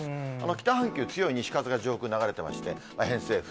北半球、強い西風が上空流れてまして、偏西風。